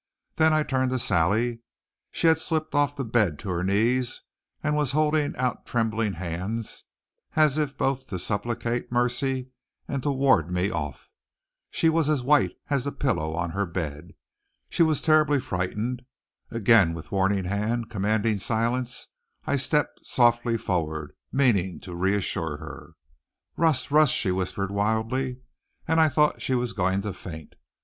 Then I turned to Sally. She had slipped off the bed to her knees and was holding out trembling hands as if both to supplicate mercy and to ward me off. She was as white as the pillow on her bed. She was terribly frightened. Again with warning hand commanding silence I stepped softly forward, meaning to reassure her. "Russ! Russ!" she whispered wildly, and I thought she was going to faint.